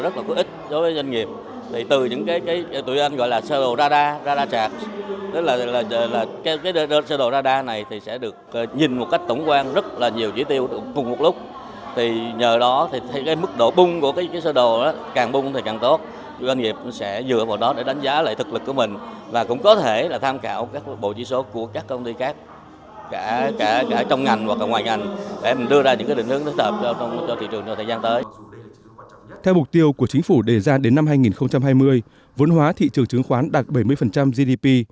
theo mục tiêu của chính phủ đề ra đến năm hai nghìn hai mươi vốn hóa thị trường chứng khoán đạt bảy mươi gdp